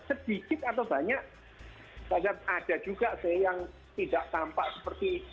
sedikit atau banyak ada juga sih yang tidak tampak seperti